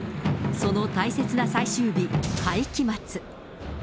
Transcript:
その大切な最終日、会期末。